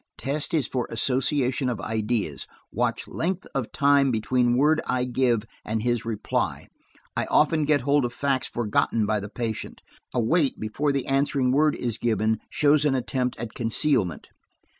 "Test is for association of ideas. Watch length of time between word I give and his reply. I often get hold of facts forgotten by the patient. A wait before the answering word is given shows an attempt at concealment."